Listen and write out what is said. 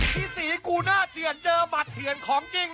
พี่ศรีกูหน้าเถื่อนเจอบัตรเถื่อนของจริง